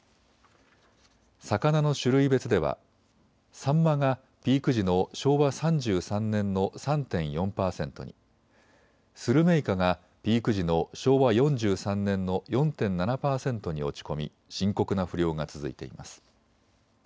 魚の種類別ではサンマがピーク時の昭和３３年の３．４％に、スルメイカがピーク時の昭和４３年の４．７％に落ち込み深刻な不漁が続いています。